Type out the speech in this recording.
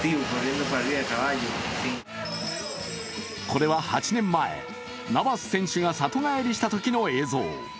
これは８年前、ナバス選手が里帰りしたときの映像。